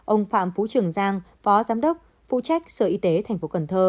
ông phạm phú trường giang phó giám đốc phụ trách sở y tế tp cn